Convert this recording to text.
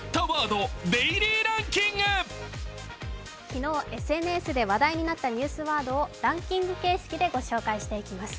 昨日ＳＮＳで話題になったニュースワードをランキング形式で御紹介していきます。